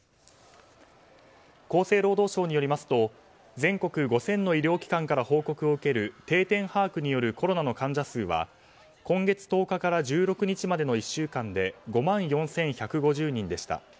厚生労働省によりますと全国５０００の医療機関から報告を受ける定点把握によるコロナの患者数は今月１０日から１６日までの１週間で５万４１５０人でした。